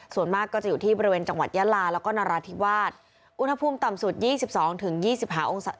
ส่วนมากก็จะอยู่ที่บริเวณจังหวัดยาลาแล้วก็นราธิวาสอุณหภูมิต่ำสุดยี่สิบสองถึงยี่สิบหาองศา